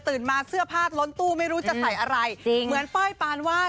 มาเสื้อผ้าล้นตู้ไม่รู้จะใส่อะไรจริงเหมือนเป้ยปานวาด